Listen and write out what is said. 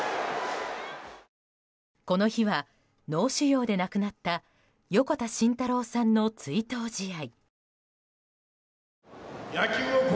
この日は、脳腫瘍で亡くなった横田慎太郎さんの追悼試合。